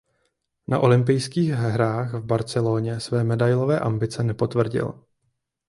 Na olympijských hrách v Barceloně své medailové ambice nepotvrdil.